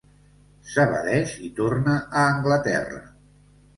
S'evadeix i torna a Anglaterra.